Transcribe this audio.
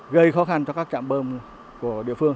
gây khó khăn cho các trạm bơm của địa phương